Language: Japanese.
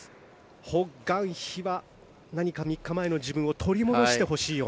ホ・グァンヒは何か、３日前の自分を取り戻してほしいような。